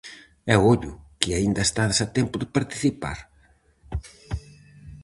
E ollo, que aínda estades a tempo de participar.